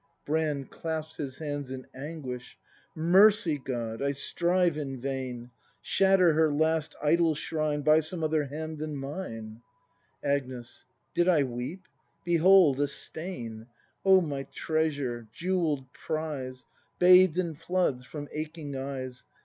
Brand. [Clasps his hands in anguish.] Mercy, God! I strive in vain! Shatter her last idol shrine By some other hand than mine! Agnes. Did I weep? Behold, a stain! Oh, my treasure! Jewell'd prize, Bath'd in floods from aching eyes.